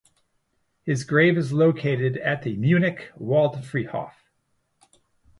His grave is located at the Munich Waldfriedhof.